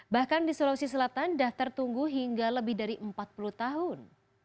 bahkan di sulawesi selatan daftar tunggu hingga lebih dari empat puluh tahun